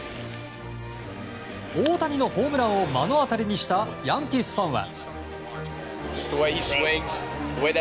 大谷のホームランを目の当たりにしたヤンキースファンは。